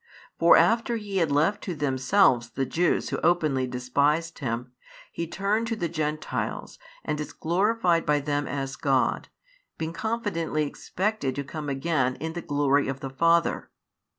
For after He had left to themselves the Jews who openly despised Him, He turned to the Gentiles and is glorified by them as God, being confidently expected to come again in the glory of the Father.